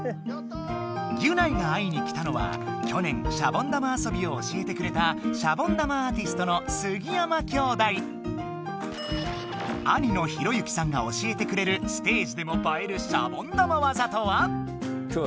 ギュナイが会いに来たのは去年シャボン玉あそびを教えてくれた兄の弘之さんが教えてくれるステージでもばえるシャボン玉わざとは？